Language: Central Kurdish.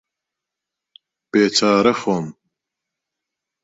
بێچارە خۆم